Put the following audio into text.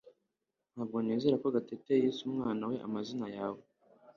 Ntabwo nizera ko Gatete yise umwana we amazina yawe